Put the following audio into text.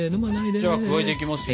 じゃあ加えていきますよ。